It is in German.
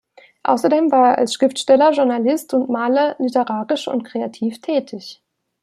Außerdem war er als Schriftsteller, Journalist und Maler literarisch und kreativ tätig.